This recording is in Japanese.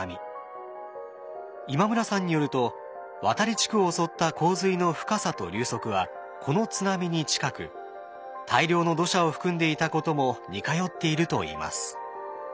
今村さんによると渡地区を襲った洪水の深さと流速はこの津波に近く大量の土砂を含んでいたことも似通っているといいます。